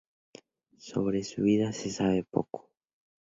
Sobre su vida se sabe poco.